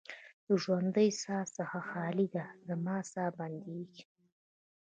د ژوندۍ ساه څخه خالي ده، زما ساه بندیږې